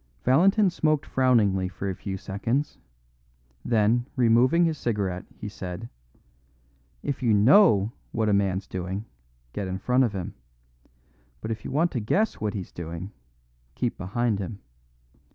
Valentin smoked frowningly for a few seconds; then, removing his cigarette, he said: "If you know what a man's doing, get in front of him; but if you want to guess what he's doing, keep behind him.